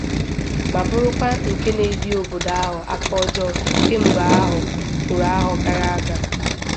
ma bụrụkwa nke na-ebi obodo ahụ aka ọjọọ kemgbe ahọ kwùrú ahọ gara aga